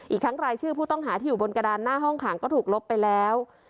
อีกทั้งรายชื่อผู้ต้องหาที่อยู่บนกระดานหน้าห้องขังก็ถูกลบไปแล้ว